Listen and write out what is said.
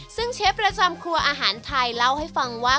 ซึ่งเชฟประจำครัวอาหารไทยเล่าให้ฟังว่า